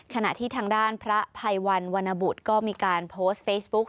ขณะที่ทางด้านพระภัยวันวรรณบุตรก็มีการโพสต์เฟซบุ๊ก